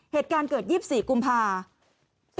เหตุการณ์เกิด๒๔กุมภาคม